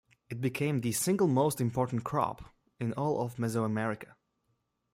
It became the single most important crop in all of Mesoamerica.